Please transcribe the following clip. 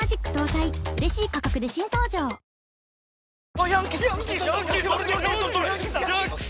・あっヤンキース！